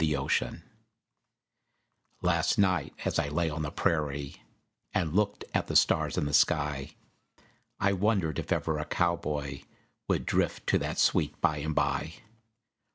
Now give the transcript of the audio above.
THE COWBOY'S DREAM Last night as I lay on the prairie, And looked at the stars in the sky, I wondered if ever a cowboy Would drift to that sweet by and by.